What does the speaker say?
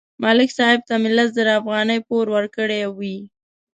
ملک صاحب ته مې لس زره افغانۍ پور ورکړې وې